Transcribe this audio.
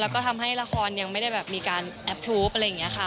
แล้วก็ทำให้ละครยังไม่ได้แบบมีการแอปทุปอะไรอย่างนี้ค่ะ